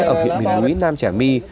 ở huyện biển núi nam trả my